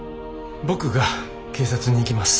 僕が警察に行きます。